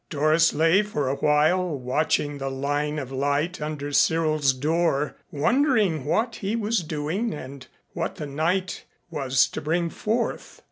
Doris lay for a while watching the line of light under Cyril's door, wondering what he was doing and what the night was to bring forth.